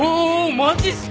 マジっすか！？